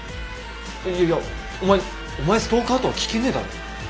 いやいや「お前お前ストーカー？」とは聞けねえだろ。